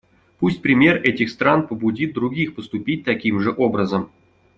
Пусть пример этих стран побудит других поступить таким же образом.